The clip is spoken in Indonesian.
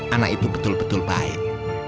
anak itu betul betul baik